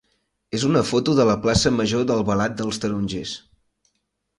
és una foto de la plaça major d'Albalat dels Tarongers.